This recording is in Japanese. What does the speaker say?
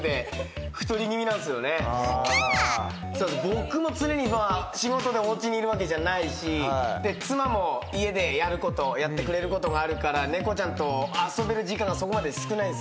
僕も常に仕事でおうちにいるわけじゃないし妻も家でやることやってくれることがあるから猫ちゃんと遊べる時間がそこまで少ないんですよ。